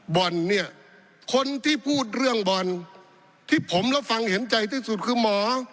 บ่อนเนี่ยคนที่พูดเรื่องบ่อนที่ผมรับฟังเห็นใจที่สุดคือหมอ